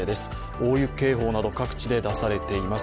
大雪警報など各地で出されています。